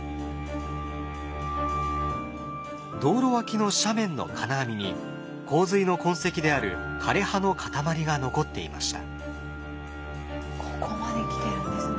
道路脇の斜面の金網に洪水の痕跡である枯れ葉の塊が残っていました。